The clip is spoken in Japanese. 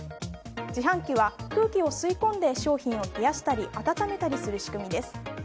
自販機は、空気を吸い込んで商品を冷やしたり温めたりする仕組みです。